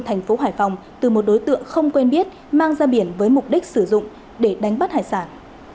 thành phố hải phòng từ một đối tượng không quen biết mang ra biển với mục đích sử dụng để đánh bắt hải sản